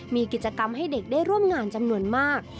มีกิจกรรมให้เด็กได้ร่วมงานจำนวนมาก